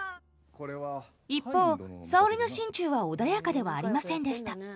一方沙織の心中は穏やかではありませんでした。